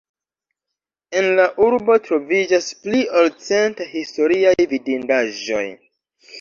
En la urbo troviĝas pli ol cent historiaj vidindaĵoj.